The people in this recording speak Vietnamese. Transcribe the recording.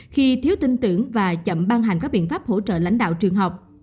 khi thiếu tin tưởng và chậm ban hành các biện pháp hỗ trợ lãnh đạo trường học